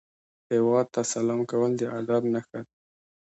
هیواد ته سلام کول د ادب نښه ده